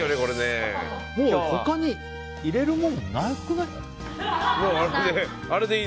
もう、他に入れるものなくない？